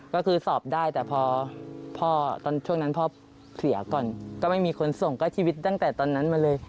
ก็คือสอบได้แต่พอพ่อตอนช่วงนั้นพ่อเสียก่อนก็ไม่มีคนส่งก็ชีวิตตั้งแต่ตอนนั้นมาเลย